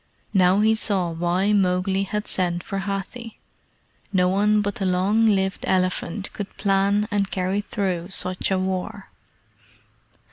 Now he saw why Mowgli had sent for Hathi. No one but the long lived elephant could plan and carry through such a war.